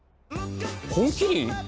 「本麒麟」